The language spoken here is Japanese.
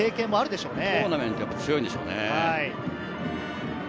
トーナメントに強いんでしょうね。